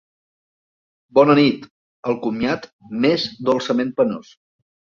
Bona nit! El comiat m'és dolçament penós...